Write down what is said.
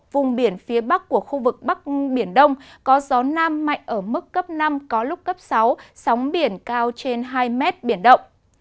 vùng biển phía bắc của khu vực bắc biển đông có gió nam mạnh ở mức cấp năm có lúc cấp sáu sóng biển cao trên hai mét biển động